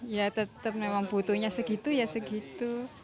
ya tetap memang butuhnya segitu ya segitu